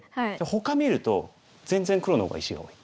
ほか見ると全然黒の方が石が多い。